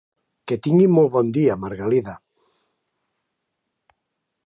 Que tingui molt bon dia, Margalida!